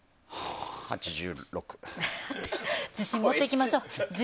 自信を持っていきましょう。